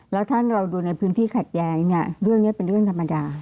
แล้วถ้าเราดูในพื้นที่ขัดแย้งเนี่ยเรื่องนี้เป็นเรื่องธรรมดา